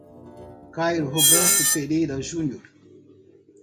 Cairo Roberto Pereira Junior